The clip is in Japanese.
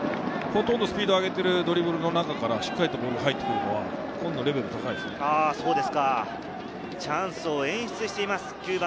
スピードを上げたドリブルの中から、しっかりゴールに入ってくるのは、今野はレベルが高いです。